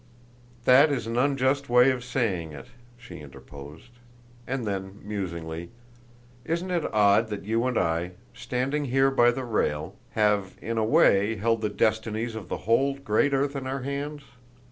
"That is an unjust way of saying it," she interposed. And then, musingly: "Isn't it odd that you and I standing here by the rail have, in a way, held the destinies of the whole great earth in our hands?